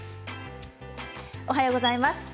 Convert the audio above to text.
おはようございます。